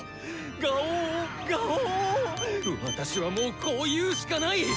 私はもうこう言うしかない！